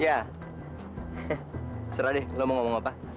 ya serah deh lo mau ngomong apa